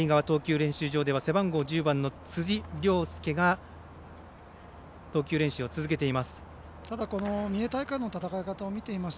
練習場では背番号１０番の辻亮輔が投球練習を続けています。